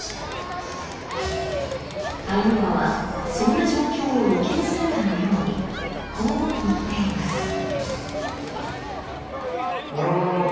カイヨワはそんな状況を予見するかのようにこう言っています。